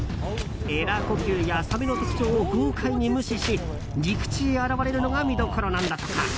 えら呼吸やサメの特徴を豪快に無視し陸地へ現れるのが見どころなんだとか。